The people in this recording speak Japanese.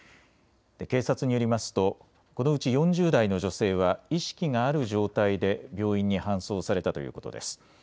警察によりますとこのうち４０代の女性は意識がある状態で病院に搬送されたということです。